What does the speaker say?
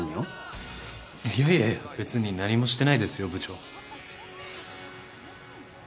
いやいや別に何もしてないですよ部長。